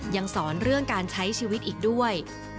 ยังสอนเรื่องการใช้ชีวิตอีกด้วย